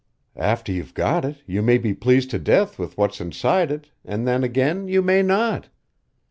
After you've got it you may be pleased to death with what's inside it an' then again you may not.